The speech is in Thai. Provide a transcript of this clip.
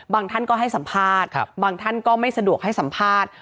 ท่านก็ให้สัมภาษณ์บางท่านก็ไม่สะดวกให้สัมภาษณ์